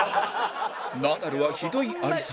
ナダルはひどい有り様